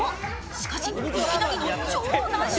しかし、いきなりの超難所。